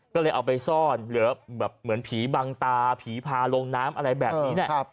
ก็เลยเอาไปซ่อนเหลือแบบเหมือนผีบังตาผีพาลงน้ำอะไรแบบนี้เนี่ย